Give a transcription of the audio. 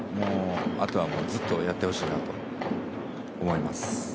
あとはずっとやってほしいなと思います。